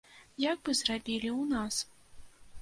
Як бы зрабілі ў нас?